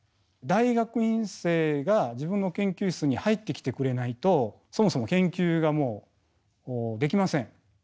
大学院生が自分の研究室に入ってきてくれないとそもそも研究ができません。